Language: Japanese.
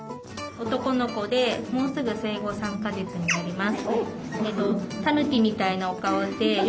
男の子でもうすぐ生後３か月になります。